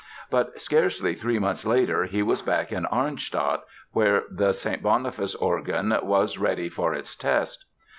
But scarcely three months later he was back in Arnstadt, where the St. Boniface organ was ready for its test.